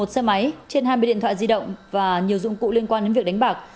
một xe máy trên hai mươi điện thoại di động và nhiều dụng cụ liên quan đến việc đánh bạc